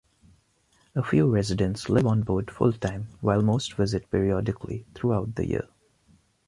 A few residents live on board full-time while most visit periodically throughout the year.